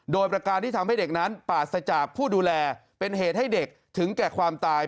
โดยประการที่ทำให้เด็กนั้นปราศจากผู้ดูแลเป็นเหตุให้เด็กถึงแก่ความตาย